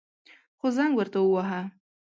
خو زنگ ورته وواهه.